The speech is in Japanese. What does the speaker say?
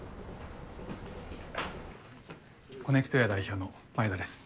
コネクトエア代表の前田です。